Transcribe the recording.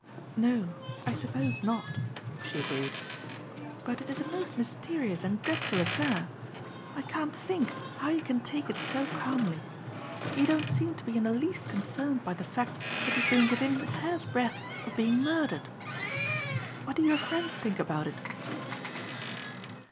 "No, I suppose not," she agreed. "But it is a most mysterious and dreadful affair. I can't think how you can take it so calmly. You don't seem to be in the least concerned by the fact that you have been within a hairsbreadth of being murdered. What do your friends think about it?"